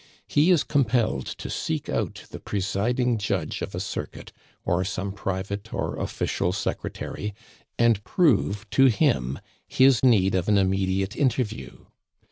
He is compelled to seek out the presiding judge of a circuit, or some private or official secretary, and prove to him his need of an immediate interview.